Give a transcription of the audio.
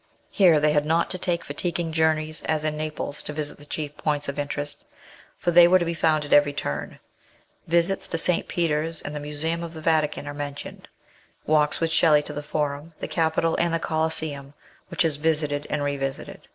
Here they had not to take fatiguing journeys as in Naples to visit the chief points of interest, for they were to be found at every turn. Visits to St. Peter's and the museum of the Vatican are mentioned; walks with Shelley to the Forum, the Capitol, and the Coliseum, which is visited and re visited.